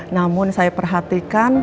namun saya perhatikan